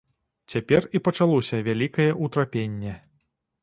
Цяпер і пачалося вялікае ўтрапенне.